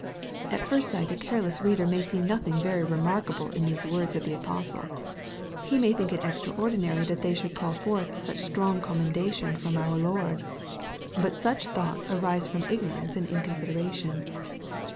'* At first sight a careless reader may see nothing very remarkable in these words of the apostle. He may think it extraordinary that they should call forth such strong commendation from our Lord. But such thoughts arise from ignorance and inconsideration.